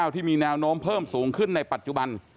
ที่มีแนวโน้มเพิ่มสูงขึ้นในปัจจุบัน